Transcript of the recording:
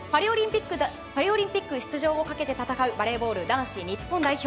パリオリンピック出場をかけて戦うバレーボール男子日本代表。